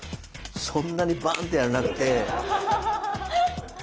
そんなにバーンってやらなくて。